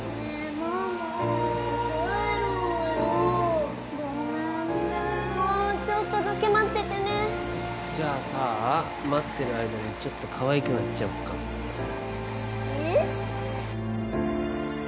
ママ帰ろうよごめんねもうちょっとだけ待っててねじゃあさ待ってる間にちょっとかわいくなっちゃおっかえっ？